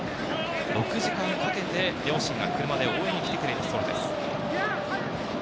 ６時間かけて両親が車で送りに来てくれたそうです。